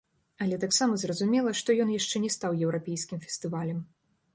Але таксама зразумела, што ён яшчэ не стаў еўрапейскім фестывалем.